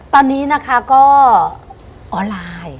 ตอนนี้นะคะก็ออนไลน์